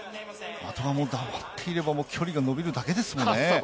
あとはもう黙っていれば距離が伸びるだけですから。